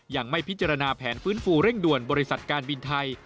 ยังไม่พิจารณาแผนฟื้นฟูเร่งด่วนบริษัทการบินไทย